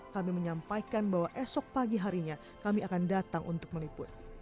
kami menyampaikan bahwa esok pagi harinya kami akan datang untuk meliput